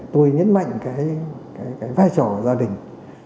tôi nhấn mạnh cái vai trò gia đình